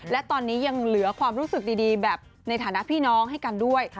และตอนนี้ยังเหลือความรู้สึกดีแบบในฐานะพี่น้องให้กันด้วย